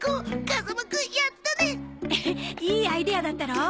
エヘッいいアイデアだったろう？